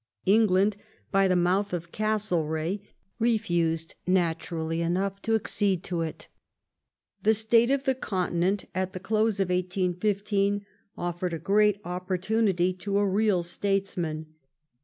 England, by the mouth of Lord Castlereagh, refused, naturally enough, to accede to it. The state of the Continent, at the close of 1815, offered a great opportunity to a real statesman.